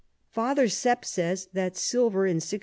Father Sepp says, that Silver in 1691.